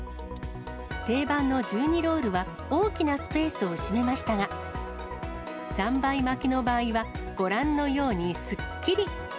定番の１２ロールは大きなスペースを占めましたが、３倍巻きの場合は、ご覧のようにすっきり。